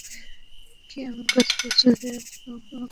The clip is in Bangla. কি এমন কাজ করেছো যে, এত লোক তোমাকে মারতে চায়?